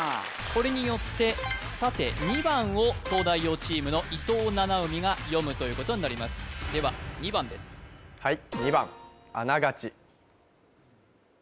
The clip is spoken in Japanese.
これによって縦２番を東大王チームの伊藤七海が読むということになりますでは２番ですはい